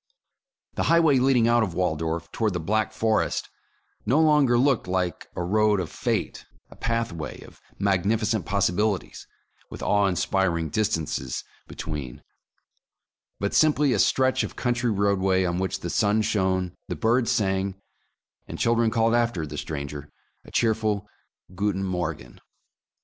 The highway leading out of Waldorf toward the Black Forest, no longer looked like a road of fate, — a pathway of magnificent possibilities, with awe inspir ing distances between, — but simply a stretch of coun try roadway on which the sun shone, the birds sang, men and women and cows worked, and children called after the stranger a cheerful *'Guten Morgen."